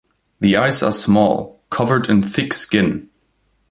The eyes are small, covered in thick skin.